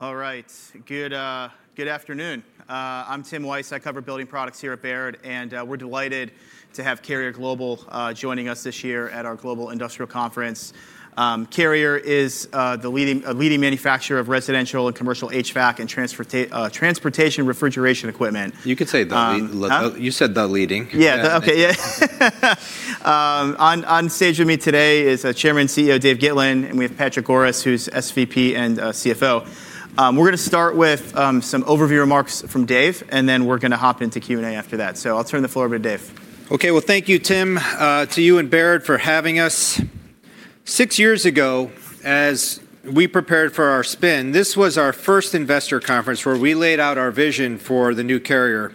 All right. Good afternoon. I'm Tim Wojs. I cover building products here at Baird, and we're delighted to have Carrier Global joining us this year at our Global Industrial Conference. Carrier is the leading manufacturer of residential and commercial HVAC and transportation refrigeration equipment. You could say the leading. Yeah, OK, yeah. On stage with me today is Chairman and CEO Dave Gitlin, and we have Patrick Goris, who's SVP and CFO. We're going to start with some overview remarks from Dave, and then we're going to hop into Q&A after that. I'll turn the floor over to Dave. OK, thank you, Tim, to you and Baird for having us. Six years ago, as we prepared for our spin, this was our first investor conference where we laid out our vision for the new Carrier.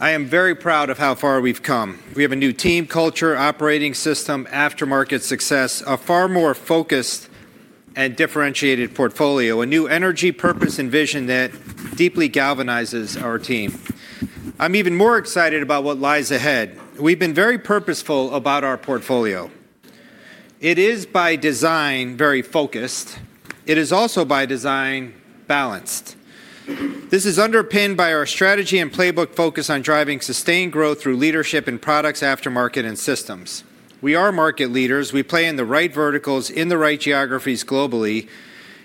I am very proud of how far we've come. We have a new team culture, operating system, aftermarket success, a far more focused and differentiated portfolio, a new energy purpose and vision that deeply galvanizes our team. I'm even more excited about what lies ahead. We've been very purposeful about our portfolio. It is, by design, very focused. It is also, by design, balanced. This is underpinned by our strategy and playbook focus on driving sustained growth through leadership in products, aftermarket, and systems. We are market leaders. We play in the right verticals, in the right geographies globally,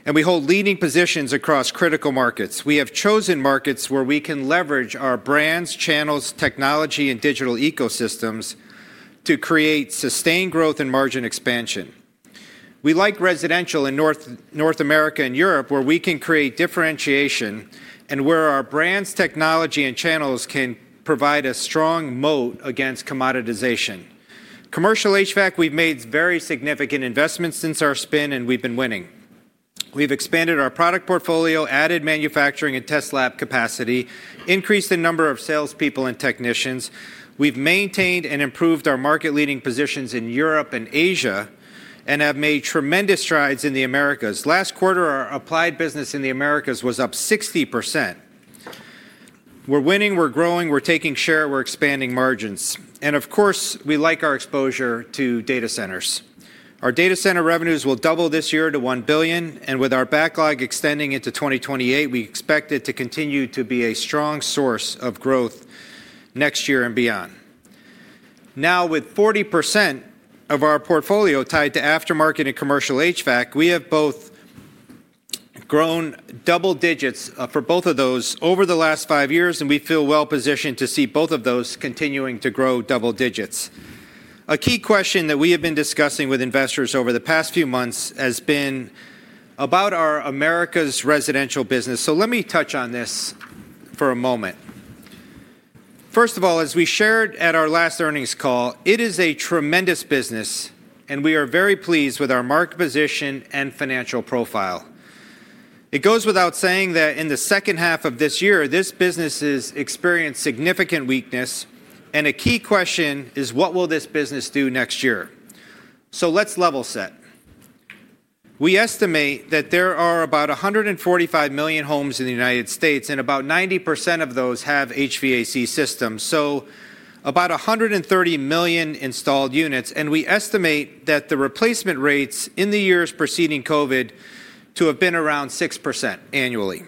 and we hold leading positions across critical markets. We have chosen markets where we can leverage our brands, channels, technology, and digital ecosystems to create sustained growth and margin expansion. We like residential in North America and Europe, where we can create differentiation and where our brands, technology, and channels can provide a strong moat against commoditization. Commercial HVAC, we've made very significant investments since our spin, and we've been winning. We've expanded our product portfolio, added manufacturing and test lab capacity, increased the number of salespeople and technicians. We've maintained and improved our market-leading positions in Europe and Asia and have made tremendous strides in the Americas. Last quarter, our applied business in the Americas was up 60%. We're winning. We're growing. We're taking share. We're expanding margins. Of course, we like our exposure to data centers. Our data center revenues will double this year to $1 billion, and with our backlog extending into 2028, we expect it to continue to be a strong source of growth next year and beyond. Now, with 40% of our portfolio tied to aftermarket and commercial HVAC, we have both grown double digits for both of those over the last five years, and we feel well-positioned to see both of those continuing to grow double digits. A key question that we have been discussing with investors over the past few months has been about our Americas residential business. Let me touch on this for a moment. First of all, as we shared at our last earnings call, it is a tremendous business, and we are very pleased with our market position and financial profile. It goes without saying that in the second half of this year, this business has experienced significant weakness, and a key question is, what will this business do next year? Let's level set. We estimate that there are about 145 million homes in the United States, and about 90% of those have HVAC systems, so about 130 million installed units. We estimate that the replacement rates in the years preceding COVID to have been around 6% annually.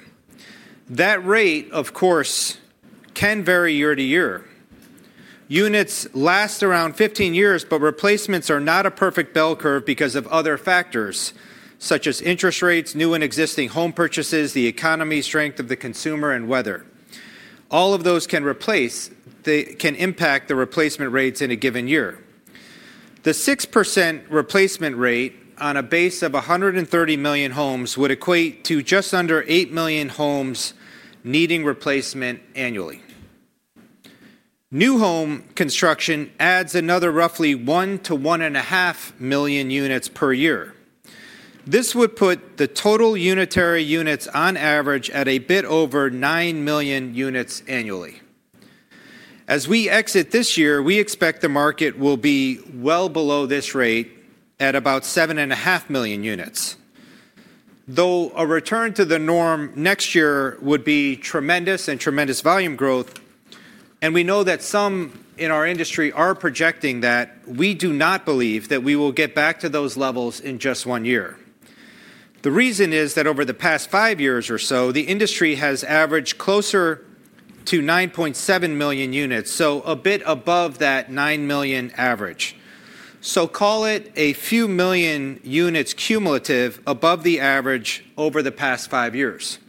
That rate, of course, can vary year to year. Units last around 15 years, but replacements are not a perfect bell curve because of other factors, such as interest rates, new and existing home purchases, the economy, strength of the consumer, and weather. All of those can impact the replacement rates in a given year. The 6% replacement rate on a base of 130 million homes would equate to just under 8 million homes needing replacement annually. New home construction adds another roughly 1 million-1.5 million units per year. This would put the total unitary units, on average, at a bit over 9 million units annually. As we exit this year, we expect the market will be well below this rate at about 7.5 million units, though a return to the norm next year would be tremendous and tremendous volume growth. We know that some in our industry are projecting that. We do not believe that we will get back to those levels in just one year. The reason is that over the past five years or so, the industry has averaged closer to 9.7 million units, so a bit above that 9 million average. Call it a few million units cumulative above the average over the past five years.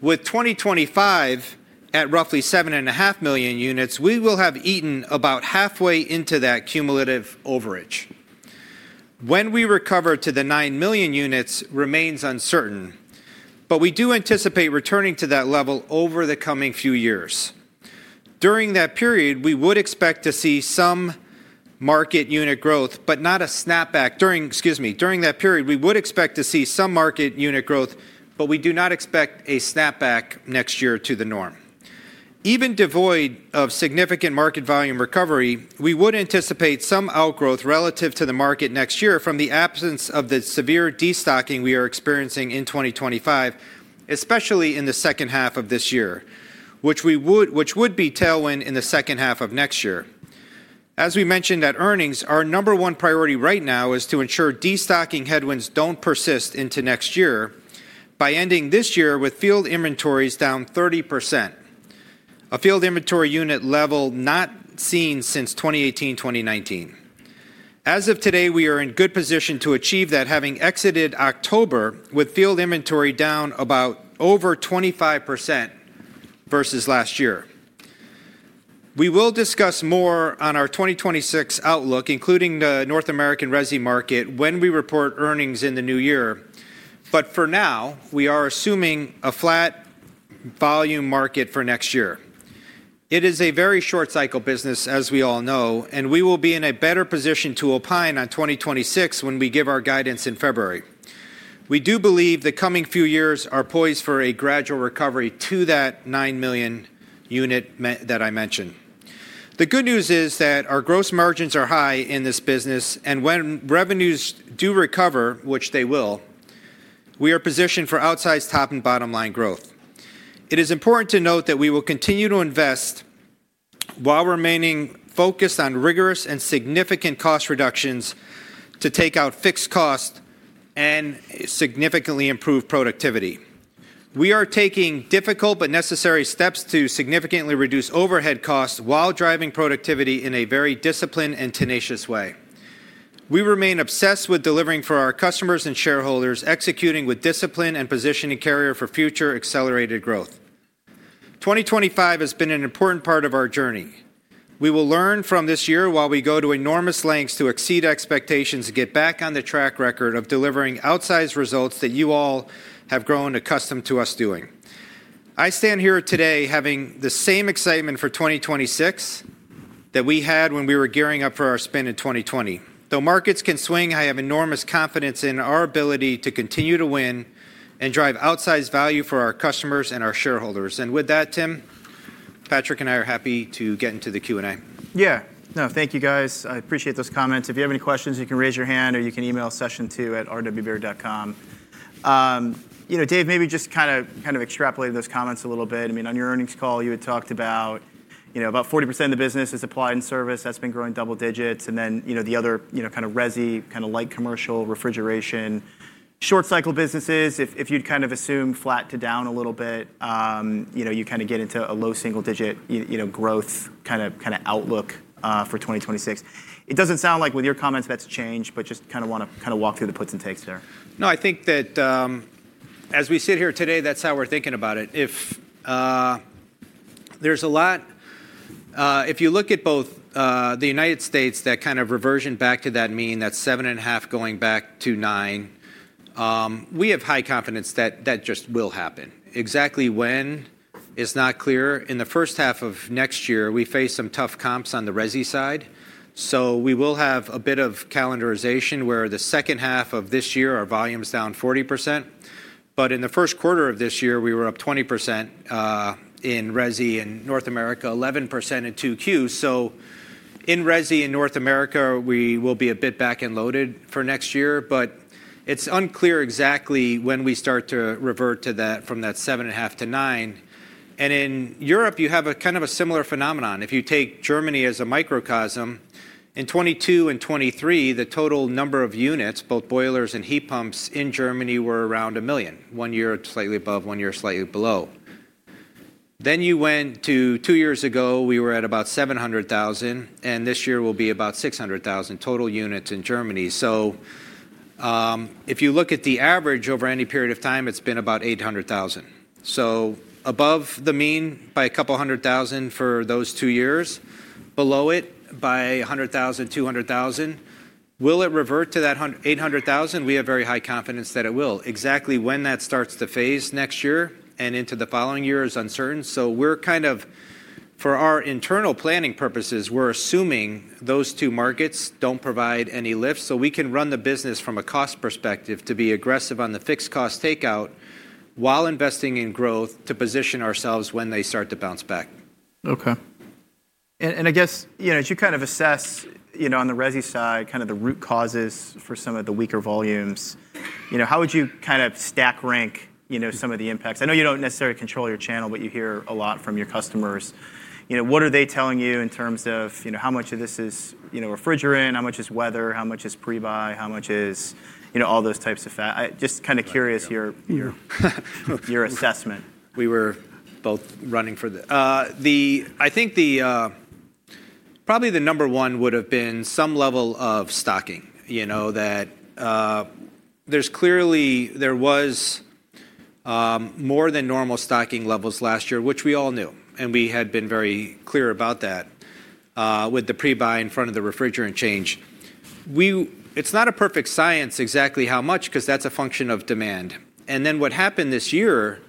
With 2025 at roughly 7.5 million units, we will have eaten about halfway into that cumulative overage. When we recover to the 9 million units remains uncertain, but we do anticipate returning to that level over the coming few years. During that period, we would expect to see some market unit growth, but not a snapback. During that period, we would expect to see some market unit growth, but we do not expect a snapback next year to the norm. Even devoid of significant market volume recovery, we would anticipate some outgrowth relative to the market next year from the absence of the severe destocking we are experiencing in 2025, especially in the second half of this year, which would be a tailwind in the second half of next year. As we mentioned at earnings, our number one priority right now is to ensure destocking headwinds do not persist into next year by ending this year with field inventories down 30%, a field inventory unit level not seen since 2018-2019. As of today, we are in good position to achieve that, having exited October with field inventory down about over 25% versus last year. We will discuss more on our 2026 outlook, including the North American resi market, when we report earnings in the new year. For now, we are assuming a flat volume market for next year. It is a very short-cycle business, as we all know, and we will be in a better position to opine on 2026 when we give our guidance in February. We do believe the coming few years are poised for a gradual recovery to that 9 million unit that I mentioned. The good news is that our gross margins are high in this business, and when revenues do recover, which they will, we are positioned for outsized top and bottom line growth. It is important to note that we will continue to invest while remaining focused on rigorous and significant cost reductions to take out fixed costs and significantly improve productivity. We are taking difficult but necessary steps to significantly reduce overhead costs while driving productivity in a very disciplined and tenacious way. We remain obsessed with delivering for our customers and shareholders, executing with discipline and positioning Carrier for future accelerated growth. 2025 has been an important part of our journey. We will learn from this year while we go to enormous lengths to exceed expectations and get back on the track record of delivering outsized results that you all have grown accustomed to us doing. I stand here today having the same excitement for 2026 that we had when we were gearing up for our spin in 2020. Though markets can swing, I have enormous confidence in our ability to continue to win and drive outsized value for our customers and our shareholders. With that, Tim, Patrick and I are happy to get into the Q&A. Yeah, no, thank you, guys. I appreciate those comments. If you have any questions, you can raise your hand or you can email session2@rwbaird.com. You know, Dave, maybe just kind of extrapolate those comments a little bit. I mean, on your earnings call, you had talked about about 40% of the business is applied and service. That's been growing double digits. And then the other kind of resi, kind of light commercial, refrigeration, short-cycle businesses, if you'd kind of assume flat to down a little bit, you kind of get into a low single-digit growth kind of outlook for 2026. It doesn't sound like with your comments that's changed, but just kind of want to kind of walk through the puts and takes there. No, I think that as we sit here today, that's how we're thinking about it. There's a lot. If you look at both the United States, that kind of reversion back to that mean, that 7.5 million units going back to 9 million units, we have high confidence that that just will happen. Exactly when is not clear. In the first half of next year, we face some tough comps on the resi side. We will have a bit of calendarization where the second half of this year, our volume is down 40%. In the first quarter of this year, we were up 20% in resi in North America, 11% in Q2. In resi in North America, we will be a bit back and loaded for next year. It's unclear exactly when we start to revert from that 7.5 million units to 9 million units. In Europe, you have a kind of a similar phenomenon. If you take Germany as a microcosm, in 2022 and 2023, the total number of units, both boilers and heat pumps in Germany, were around 1 million. One year slightly above, one year slightly below. You go to two years ago, we were at about 700,000 units, and this year will be about 600,000 total units in Germany. If you look at the average over any period of time, it has been about 800,000 units. Above the mean by a couple hundred thousand for those two years, below it by 100,000 units-200,000 units. Will it revert to that 800,000 units? We have very high confidence that it will. Exactly when that starts to phase next year and into the following year is uncertain. We are kind of, for our internal planning purposes, assuming those two markets do not provide any lift. We can run the business from a cost perspective to be aggressive on the fixed cost takeout while investing in growth to position ourselves when they start to bounce back. OK. I guess, you know, as you kind of assess, you know, on the resi side, kind of the root causes for some of the weaker volumes, you know, how would you kind of stack rank some of the impacts? I know you do not necessarily control your channel, but you hear a lot from your customers. What are they telling you in terms of how much of this is refrigerant, how much is weather, how much is prebuy, how much is all those types of fat? Just kind of curious your assessment. We were both running for the, I think probably the number one would have been some level of stocking. You know, that there's clearly, there was more than normal stocking levels last year, which we all knew. And we had been very clear about that with the prebuy in front of the refrigerant change. It's not a perfect science exactly how much, because that's a function of demand. What happened this year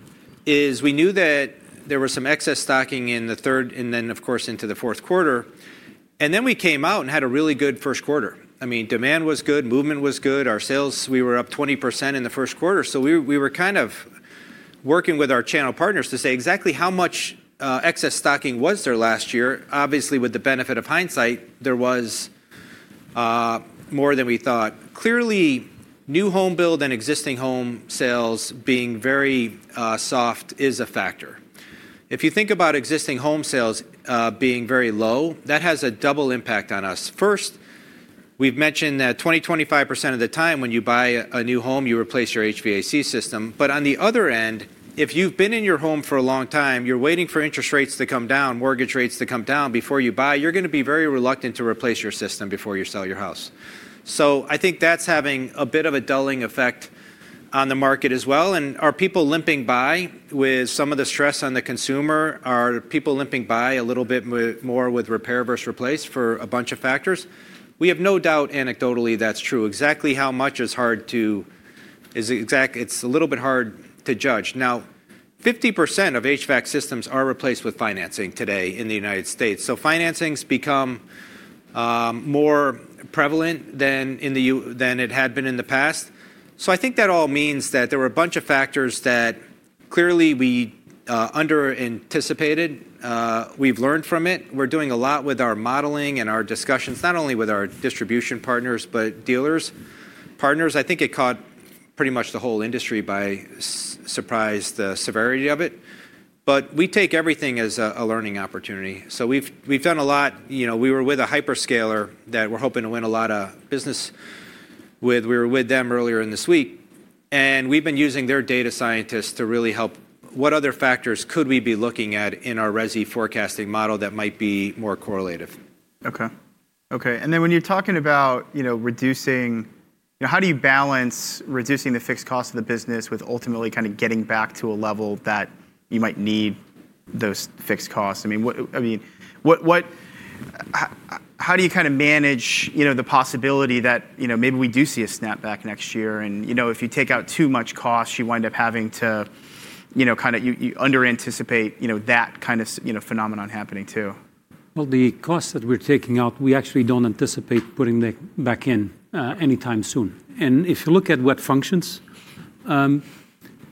is we knew that there was some excess stocking in the third and then, of course, into the fourth quarter. We came out and had a really good first quarter. I mean, demand was good, movement was good. Our sales, we were up 20% in the first quarter. We were kind of working with our channel partners to say exactly how much excess stocking was there last year. Obviously, with the benefit of hindsight, there was more than we thought. Clearly, new home build and existing home sales being very soft is a factor. If you think about existing home sales being very low, that has a double impact on us. First, we've mentioned that 20%-25% of the time when you buy a new home, you replace your HVAC system. On the other end, if you've been in your home for a long time, you're waiting for interest rates to come down, mortgage rates to come down before you buy, you're going to be very reluctant to replace your system before you sell your house. I think that's having a bit of a dulling effect on the market as well. Are people limping by with some of the stress on the consumer? Are people limping by a little bit more with repair versus replace for a bunch of factors? We have no doubt anecdotally that's true. Exactly how much is hard to, it's a little bit hard to judge. Now, 50% of HVAC systems are replaced with financing today in the United States. So financing's become more prevalent than it had been in the past. I think that all means that there were a bunch of factors that clearly we under-anticipated. We've learned from it. We're doing a lot with our modeling and our discussions, not only with our distribution partners, but dealers. Partners, I think it caught pretty much the whole industry by surprise, the severity of it. We take everything as a learning opportunity. We've done a lot. We were with a hyperscaler that we're hoping to win a lot of business with. We were with them earlier this week. And we've been using their data scientists to really help. What other factors could we be looking at in our resi forecasting model that might be more correlative? OK. OK. When you're talking about reducing, how do you balance reducing the fixed cost of the business with ultimately kind of getting back to a level that you might need those fixed costs? I mean, how do you kind of manage the possibility that maybe we do see a snapback next year? If you take out too much cost, you wind up having to kind of under-anticipate that kind of phenomenon happening too. The costs that we're taking out, we actually don't anticipate putting back in any time soon. If you look at what functions, there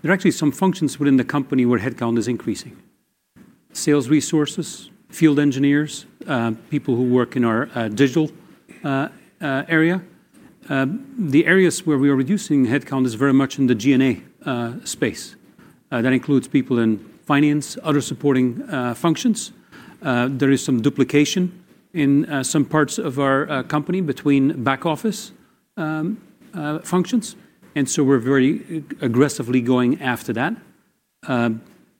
are actually some functions within the company where headcount is increasing: sales resources, field engineers, people who work in our digital area. The areas where we are reducing headcount is very much in the G&A space. That includes people in finance, other supporting functions. There is some duplication in some parts of our company between back office functions. We are very aggressively going after that.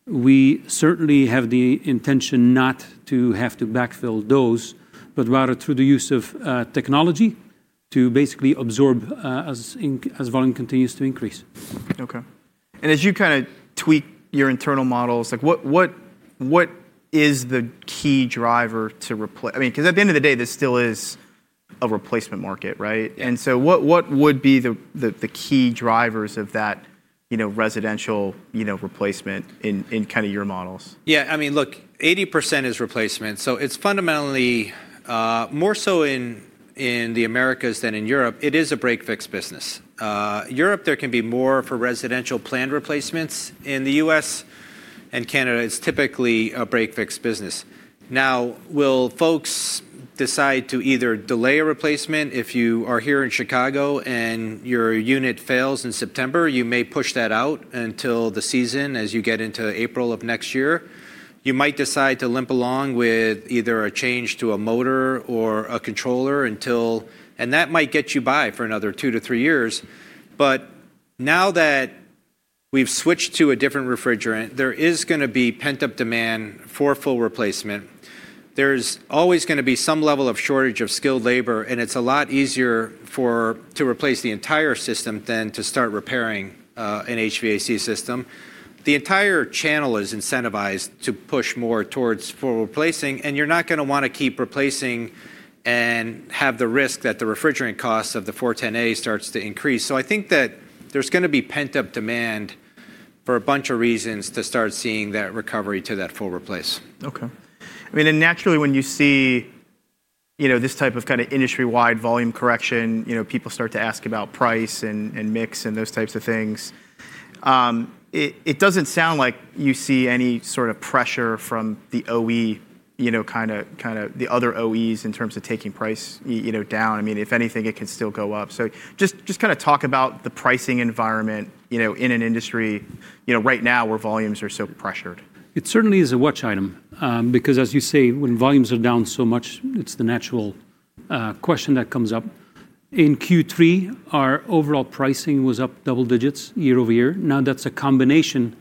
We certainly have the intention not to have to backfill those, but rather through the use of technology to basically absorb as volume continues to increase. OK. As you kind of tweak your internal models, what is the key driver to replace? I mean, because at the end of the day, this still is a replacement market, right? What would be the key drivers of that residential replacement in kind of your models? Yeah. I mean, look, 80% is replacement. It is fundamentally more so in the Americas than in Europe. It is a break-fix business. Europe, there can be more for residential planned replacements. In the U.S. and Canada, it is typically a break-fix business. Now, will folks decide to either delay a replacement? If you are here in Chicago and your unit fails in September, you may push that out until the season as you get into April of next year. You might decide to limp along with either a change to a motor or a controller until, and that might get you by for another two to three years. Now that we have switched to a different refrigerant, there is going to be pent-up demand for full replacement. There is always going to be some level of shortage of skilled labor. It is a lot easier to replace the entire system than to start repairing an HVAC system. The entire channel is incentivized to push more towards full replacing. You are not going to want to keep replacing and have the risk that the refrigerant cost of the 410A starts to increase. I think that there is going to be pent-up demand for a bunch of reasons to start seeing that recovery to that full replace. OK. I mean, and naturally, when you see this type of kind of industry-wide volume correction, people start to ask about price and mix and those types of things. It doesn't sound like you see any sort of pressure from the OE, kind of the other OEs in terms of taking price down. I mean, if anything, it can still go up. Just kind of talk about the pricing environment in an industry right now where volumes are so pressured. It certainly is a watch item. Because as you say, when volumes are down so much, it's the natural question that comes up. In Q3, our overall pricing was up double digits year over year. Now that's a combination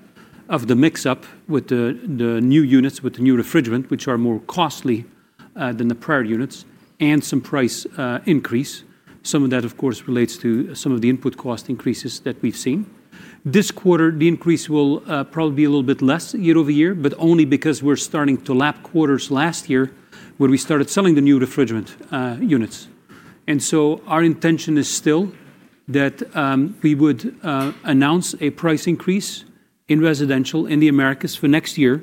of the mix-up with the new units with the new refrigerant, which are more costly than the prior units, and some price increase. Some of that, of course, relates to some of the input cost increases that we've seen. This quarter, the increase will probably be a little bit less year over year, but only because we're starting to lap quarters last year where we started selling the new refrigerant units. Our intention is still that we would announce a price increase in residential in the Americas for next year,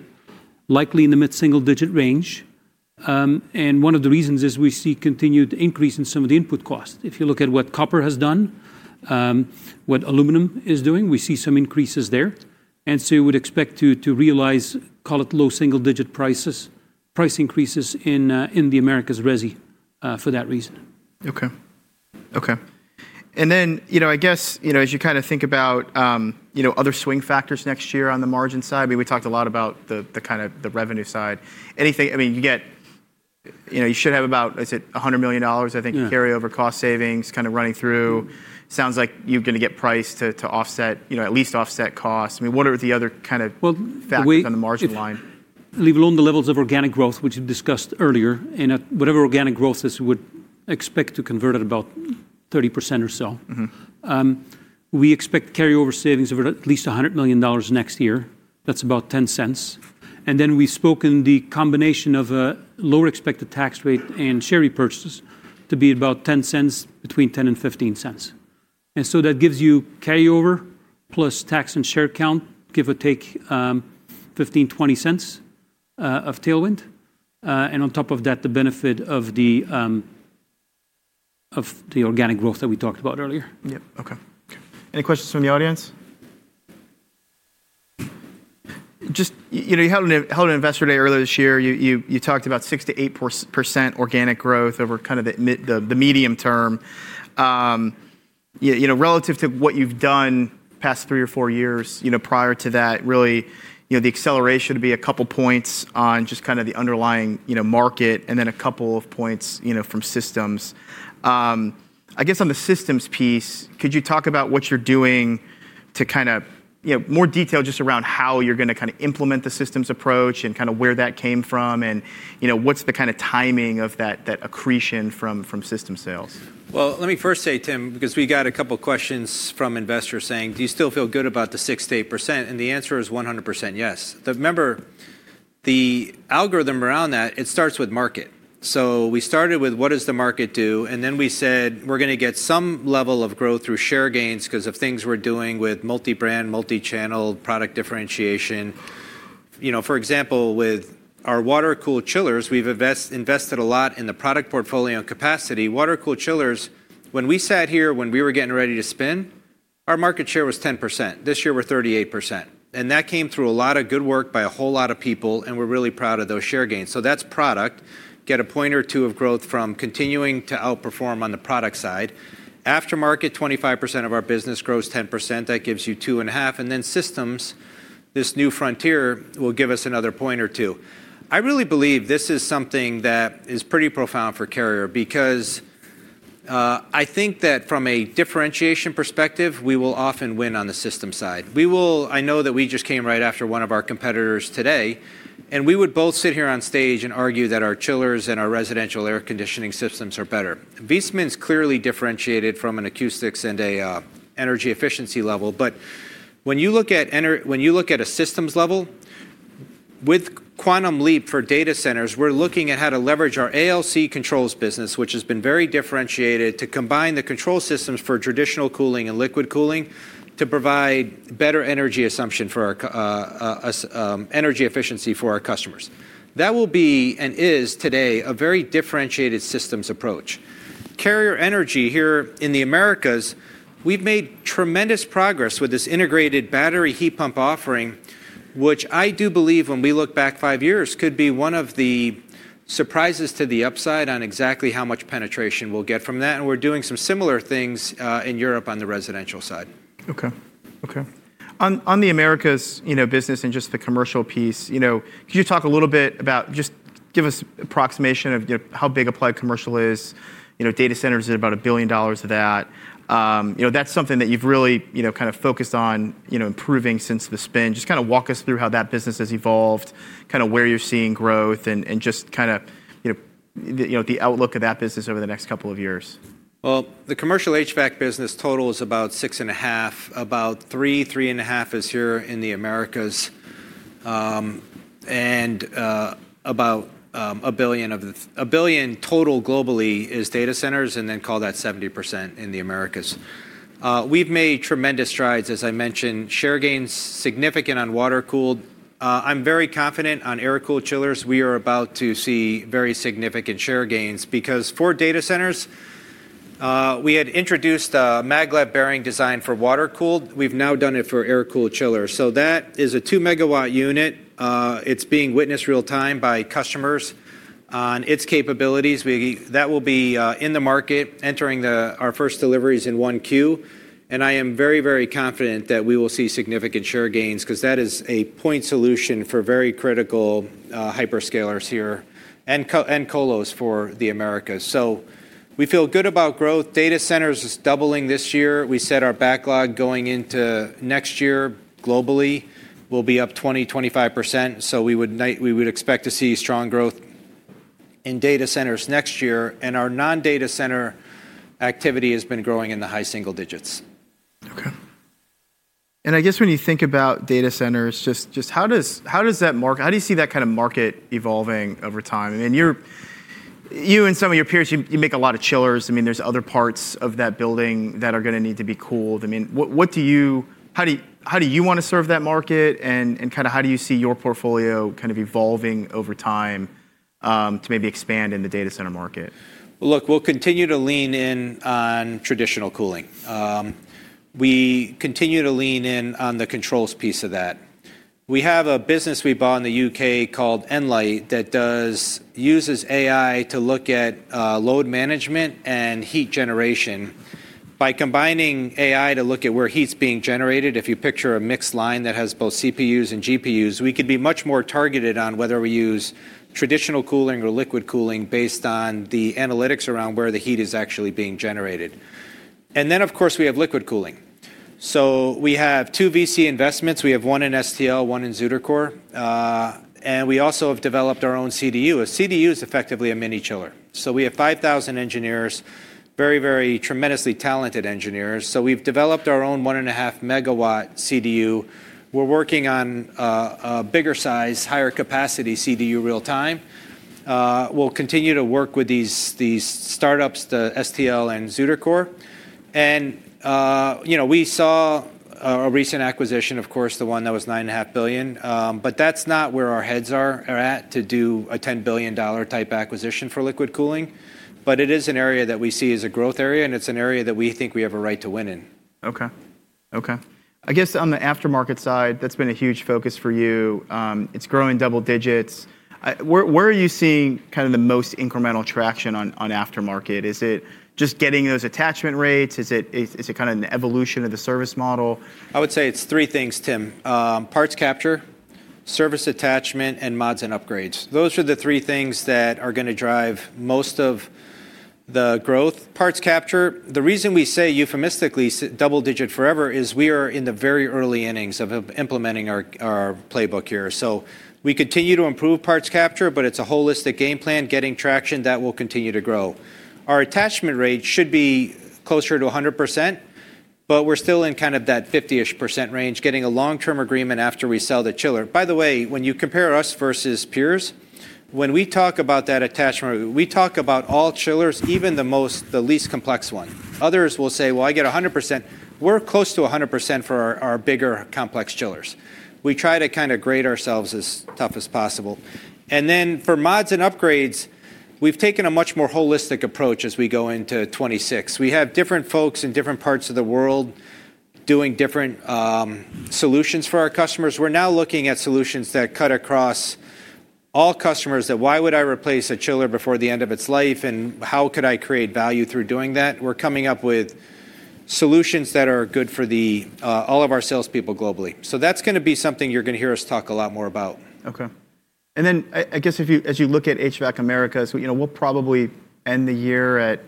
likely in the mid-single-digit range. One of the reasons is we see continued increase in some of the input costs. If you look at what copper has done, what aluminum is doing, we see some increases there. We would expect to realize, call it low single-digit price increases in the Americas resi for that reason. OK. OK. I guess as you kind of think about other swing factors next year on the margin side, I mean, we talked a lot about the kind of the revenue side. I mean, you should have about, is it $100 million, I think, in carryover cost savings kind of running through. Sounds like you're going to get price to offset, at least offset costs. I mean, what are the other kind of factors on the margin line? Leave alone the levels of organic growth, which we discussed earlier. Whatever organic growth is, we would expect to convert at about 30% or so. We expect carryover savings of at least $100 million next year. That is about $0.10. We have spoken about the combination of a lower expected tax rate and share repurchases to be about $0.10, between $0.10 and $0.15. That gives you carryover plus tax and share count, give or take $0.15-$0.20 of tailwind. On top of that, the benefit of the organic growth that we talked about earlier. Yeah. OK. Any questions from the audience? Just you held an investor day earlier this year. You talked about 6%-8% organic growth over kind of the medium term. Relative to what you've done past three or four years prior to that, really, the acceleration would be a couple points on just kind of the underlying market and then a couple of points from systems. I guess on the systems piece, could you talk about what you're doing to kind of more detail just around how you're going to kind of implement the systems approach and kind of where that came from? And what's the kind of timing of that accretion from system sales? Let me first say, Tim, because we got a couple questions from investors saying, do you still feel good about the 6%-8%? The answer is 100% yes. Remember, the algorithm around that, it starts with market. We started with what does the market do? Then we said, we're going to get some level of growth through share gains because of things we're doing with multi-brand, multi-channel product differentiation. For example, with our water-cooled chillers, we've invested a lot in the product portfolio and capacity. Water-cooled chillers, when we sat here when we were getting ready to spin, our market share was 10%. This year, we're 38%. That came through a lot of good work by a whole lot of people. We're really proud of those share gains. That's product, get a point or two of growth from continuing to outperform on the product side. Aftermarket, 25% of our business grows 10%. That gives you $0.25. Systems, this new frontier will give us another point or two. I really believe this is something that is pretty profound for Carrier because I think that from a differentiation perspective, we will often win on the system side. I know that we just came right after one of our competitors today. We would both sit here on stage and argue that our chillers and our residential air conditioning systems are better. Viessmann's clearly differentiated from an acoustics and an energy efficiency level. When you look at a systems level, with QuantumLeap for data centers, we're looking at how to leverage our ALC controls business, which has been very differentiated, to combine the control systems for traditional cooling and liquid cooling to provide better energy consumption or energy efficiency for our customers. That will be and is today a very differentiated systems approach. Carrier Energy here in the Americas, we've made tremendous progress with this integrated battery heat pump offering, which I do believe when we look back five years could be one of the surprises to the upside on exactly how much penetration we'll get from that. We're doing some similar things in Europe on the residential side. OK. OK. On the Americas business and just the commercial piece, could you talk a little bit about just give us an approximation of how big Applied Commercial is? Data centers are about $1 billion of that. That's something that you've really kind of focused on improving since the spin. Just kind of walk us through how that business has evolved, kind of where you're seeing growth, and just kind of the outlook of that business over the next couple of years. The commercial HVAC business total is about $6.5 billion, about $3 billion-$3.50 billion is here in the Americas. About $1 billion total globally is data centers, and then call that 70% in the Americas. We have made tremendous strides, as I mentioned. Share gains significant on water-cooled. I am very confident on air-cooled chillers. We are about to see very significant share gains because for data centers, we had introduced a maglev bearing design for water-cooled. We have now done it for air-cooled chillers. That is a 2 MW unit. It is being witnessed real time by customers on its capabilities. That will be in the market, entering our first deliveries in one queue. I am very, very confident that we will see significant share gains because that is a point solution for very critical hyperscalers here and colos for the Americas. We feel good about growth. Data centers is doubling this year. We set our backlog going into next year globally. We will be up 20%-25%. We would expect to see strong growth in data centers next year. Our non-data center activity has been growing in the high single digits. OK. I guess when you think about data centers, just how does that market, how do you see that kind of market evolving over time? I mean, you and some of your peers, you make a lot of chillers. I mean, there's other parts of that building that are going to need to be cooled. I mean, how do you want to serve that market? Kind of how do you see your portfolio kind of evolving over time to maybe expand in the data center market? Look, we'll continue to lean in on traditional cooling. We continue to lean in on the controls piece of that. We have a business we bought in the U.K. called Nlyte that uses AI to look at load management and heat generation. By combining AI to look at where heat's being generated, if you picture a mixed line that has both CPUs and GPUs, we could be much more targeted on whether we use traditional cooling or liquid cooling based on the analytics around where the heat is actually being generated. Of course, we have liquid cooling. We have two VC investments. We have one in STL, one in ZutaCore. We also have developed our own CDU. A CDU is effectively a mini chiller. We have 5,000 engineers, very, very tremendously talented engineers. We've developed our own 1.5 MW CDU. We're working on a bigger size, higher capacity CDU real time. We'll continue to work with these startups, the STL and ZutaCore. We saw a recent acquisition, of course, the one that was $9.5 billion. That is not where our heads are at to do a $10 billion type acquisition for liquid cooling. It is an area that we see as a growth area. It is an area that we think we have a right to win in. OK. OK. I guess on the aftermarket side, that's been a huge focus for you. It's growing double digits. Where are you seeing kind of the most incremental traction on aftermarket? Is it just getting those attachment rates? Is it kind of an evolution of the service model? I would say it's three things, Tim. Parts capture, service attachment, and mods and upgrades. Those are the three things that are going to drive most of the growth. Parts capture, the reason we say euphemistically double digit forever is we are in the very early innings of implementing our playbook here. We continue to improve parts capture, but it's a holistic game plan, getting traction that will continue to grow. Our attachment rate should be closer to 100%, but we're still in kind of that 50% range, getting a long-term agreement after we sell the chiller. By the way, when you compare us versus peers, when we talk about that attachment rate, we talk about all chillers, even the least complex one. Others will say, well, I get 100%. We're close to 100% for our bigger complex chillers. We try to kind of grade ourselves as tough as possible. For mods and upgrades, we've taken a much more holistic approach as we go into 2026. We have different folks in different parts of the world doing different solutions for our customers. We are now looking at solutions that cut across all customers that why would I replace a chiller before the end of its life? How could I create value through doing that? We are coming up with solutions that are good for all of our salespeople globally. That is going to be something you are going to hear us talk a lot more about. OK. As you look at HVAC Americas, we'll probably end the year at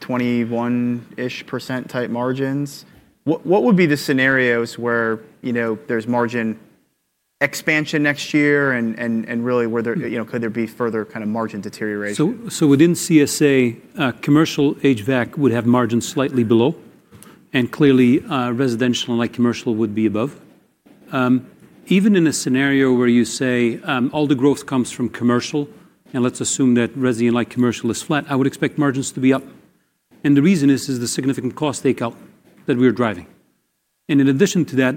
21%-ish type margins. What would be the scenarios where there's margin expansion next year? Could there be further kind of margin deterioration? Within CSA, commercial HVAC would have margins slightly below. Clearly, residential and light commercial would be above. Even in a scenario where you say all the growth comes from commercial, and let's assume that residential and light commercial is flat, I would expect margins to be up. The reason is the significant cost takeout that we are driving. In addition to that,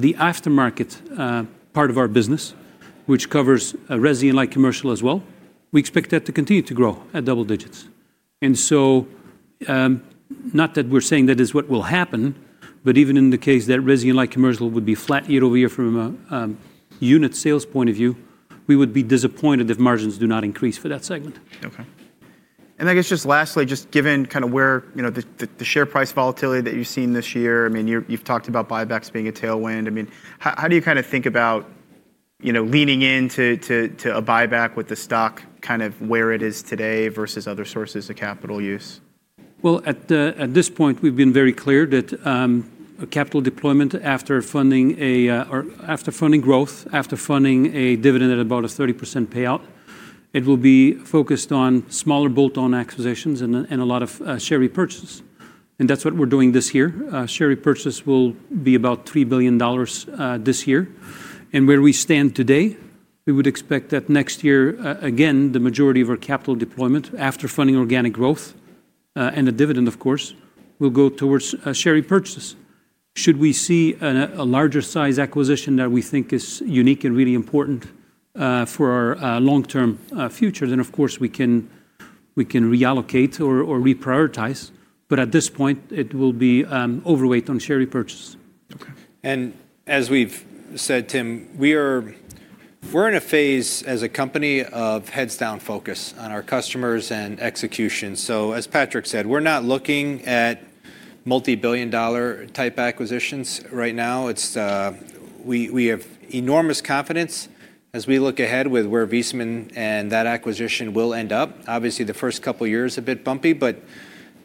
the aftermarket part of our business, which covers residential and light commercial as well, we expect that to continue to grow at double digits. Not that we're saying that is what will happen, but even in the case that residential and light commercial would be flat year over year from a unit sales point of view, we would be disappointed if margins do not increase for that segment. OK. I guess just lastly, just given kind of where the share price volatility that you've seen this year, I mean, you've talked about buybacks being a tailwind. I mean, how do you kind of think about leaning into a buyback with the stock kind of where it is today versus other sources of capital use? At this point, we've been very clear that capital deployment after funding growth, after funding a dividend at about a 30% payout, it will be focused on smaller bolt-on acquisitions and a lot of share repurchases. That's what we're doing this year. Share repurchase will be about $3 billion this year. Where we stand today, we would expect that next year, again, the majority of our capital deployment after funding organic growth and the dividend, of course, will go towards share repurchases. Should we see a larger size acquisition that we think is unique and really important for our long-term future, then of course, we can reallocate or reprioritize. At this point, it will be overweight on share repurchase. OK. As we have said, Tim, we are in a phase as a company of heads-down focus on our customers and execution. As Patrick said, we are not looking at multi-billion dollar type acquisitions right now. We have enormous confidence as we look ahead with where Viessmann and that acquisition will end up. Obviously, the first couple of years are a bit bumpy, but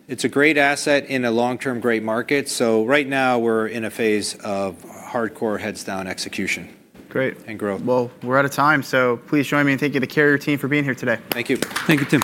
it is a great asset in a long-term great market. Right now, we are in a phase of hardcore heads-down execution and growth. Great. We are out of time. Please join me in thanking the Carrier team for being here today. Thank you. Thank you, Tim.